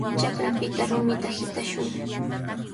Chakrapita rumita hitashun.